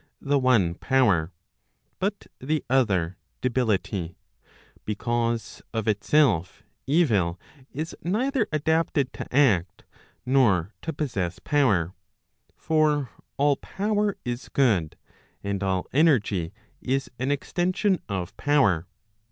the one power, but the other debility ; because of itself evil is neither adapted to act, nor to possess power; for all power is good, and all energy is an extension of power.